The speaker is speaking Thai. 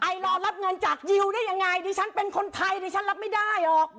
รอรับเงินจากยิวได้ยังไงดิฉันเป็นคนไทยดิฉันรับไม่ได้หรอก